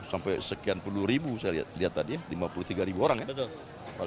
sampai sekian puluh ribu saya lihat tadi lima puluh tiga ribu orang ya